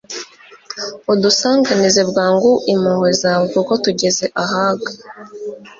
udusanganize bwangu impuhwe zawe, kuko tugeze ahaga